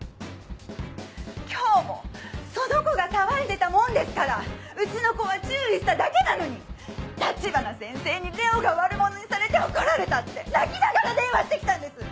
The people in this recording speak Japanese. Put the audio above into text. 今日もその子が騒いでたもんですからうちの子は注意しただけなのに橘先生に礼央が悪者にされて怒られたって泣きながら電話して来たんです！